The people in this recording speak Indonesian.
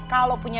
kalo punya duit